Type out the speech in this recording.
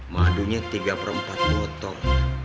madunya tiga perempat botol